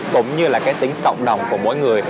cũng như là cái tính cộng đồng của mỗi người